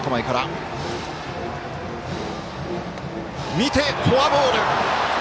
見て、フォアボール！